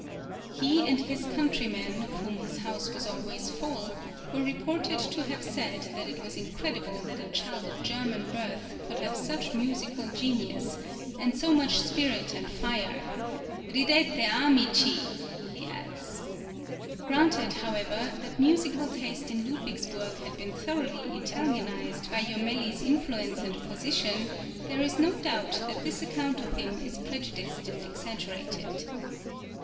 He and his countrymen, of whom his house was always full, were reported to have said that it was incredible that a child of German birth could have such musical genius, and so much spirit and fire. Ridete Amici! he adds. Granted, however, that musical taste in Ludwigsburg had been thoroughly Italianised by Jomelli's influence and position,[20013] there is no doubt that this account of him is prejudiced and exaggerated.